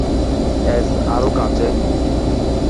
S, আরও কাছে।